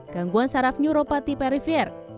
gangguan saraf neuropathy peripheral